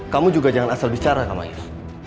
kamu juga jangan asal bicara namanya